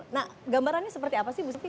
nah gambarannya seperti apa sih ibu silvi